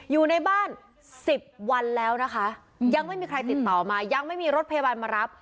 อยู่ในบ้าน๑๐วันแล้วนะคะยังไม่มีใครติดต่อมายังไม่มีรถพยาบาลมารับ